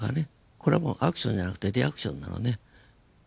これはアクションじゃなくてリアクションなのね。